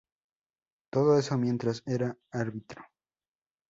Todo eso mientras era Árbitro.